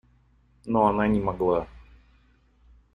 Но она не могла.